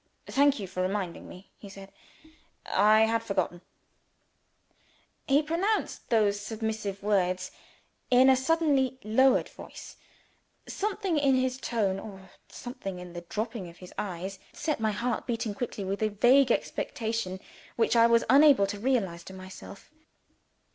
"Thank you for reminding me," he said. "I had forgotten." He pronounced those submissive words in a suddenly lowered voice. Something in his tone, or something in the dropping of his eyes, set my heart beating quickly, with a certain vague expectation which I was unable to realize to myself.